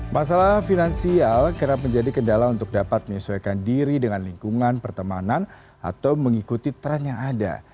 masalah finansial kerap menjadi kendala untuk dapat menyesuaikan diri dengan lingkungan pertemanan atau mengikuti tren yang ada